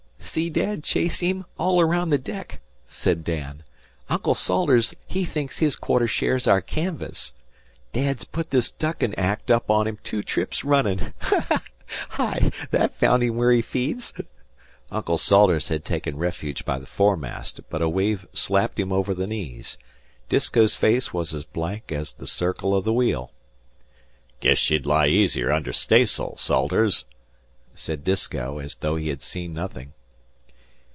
"See Dad chase him all around the deck," said Dan. "Uncle Salters he thinks his quarter share's our canvas. Dad's put this duckin' act up on him two trips runnin'. Hi! That found him where he feeds." Uncle Salters had taken refuge by the foremast, but a wave slapped him over the knees. Disko's face was as blank as the circle of the wheel. "Guess she'd lie easier under stays'l, Salters," said Disko, as though he had seen nothing.